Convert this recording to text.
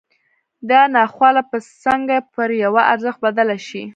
دا ناخواله به څنګه پر یوه ارزښت بدله شي